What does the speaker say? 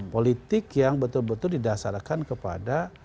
politik yang betul betul didasarkan kepada